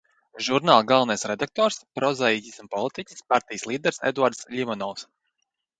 Žurnāla galvenais redaktors – prozaiķis un politiķis, partijas līderis Eduards Ļimonovs.